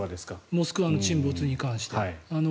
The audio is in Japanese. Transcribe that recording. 「モスクワ」の沈没に関して。